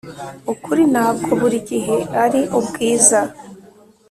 ukuri ntabwo buri gihe ari ubwiza,